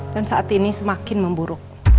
dan saat ini semakin memburuk